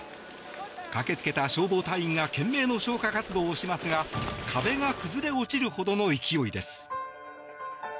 駆けつけた消防隊員が懸命の消火活動をしますが壁が崩れ落ちるほどの勢いです。